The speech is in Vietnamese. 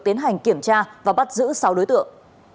tiến hành kiểm tra và bắt giữ sáu đối tượng